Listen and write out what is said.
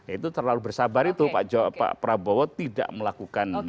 itu terlalu bersabar itu pak prabowo tidak melakukan